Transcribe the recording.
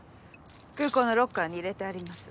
空港のロッカーに入れてあります。